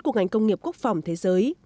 của ngành công nghiệp quốc phòng thế giới